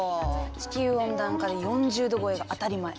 地球温暖化で４０℃超えが当たり前。